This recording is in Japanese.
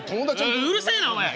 うるせえなお前！